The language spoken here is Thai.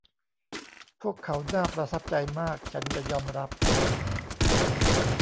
พวกเขาน่าประทับใจมาก ฉันจะยอมรับ